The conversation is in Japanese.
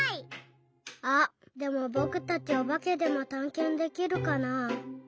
あっでもぼくたちおばけでもたんけんできるかな。